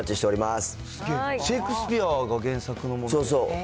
シェイクスピアが原作のものそうそう。